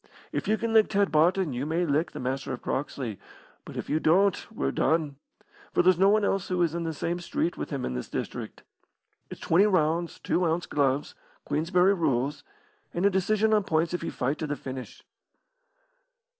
If you can lick Ted Barton you may lick the Master of Croxley, but if you don't we're done, for there's no one else who is in the same street with him in this district. It's twenty rounds, two ounce gloves, Queensberry rules, and a decision on points if you fight to the finish."